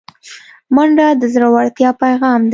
منډه د زړورتیا پیغام دی